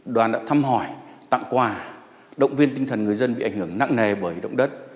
đoàn đã thăm hỏi tặng quà động viên tinh thần người dân bị ảnh hưởng nặng nề bởi động đất